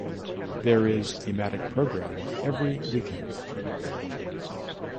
There is thematic program every weekend.